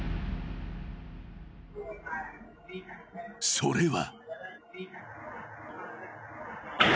［それは］